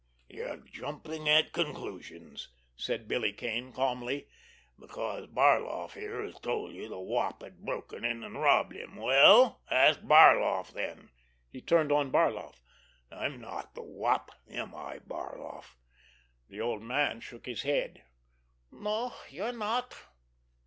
"You're jumping at conclusions," said Billy Kane calmly, "because Barloff here has told you the Wop had broken in and robbed him. Well, ask Barloff, then!" He turned on Barloff. "I'm not the Wop, am I, Barloff?" The old man shook his head. "No, you're not."